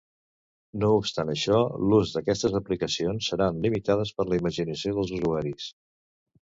No obstant això l'ús d'aquestes aplicacions seran limitades per la imaginació dels usuaris.